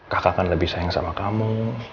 kakak akan lebih sayang sama kamu